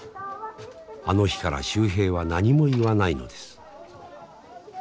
あの日から秀平は何も言わないのです。